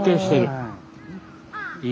はい。